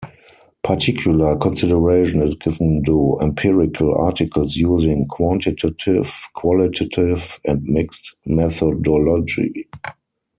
Particular consideration is given to empirical articles using quantitative, qualitative, and mixed methodology.